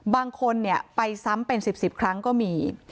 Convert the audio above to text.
บางคนไปซ้ำเป็น๑๐ครั้งก็มี